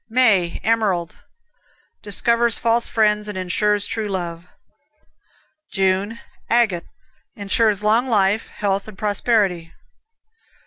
May, Emerald Discovers false friends, and insures true love. June, Agate Insures long life, health and prosperity.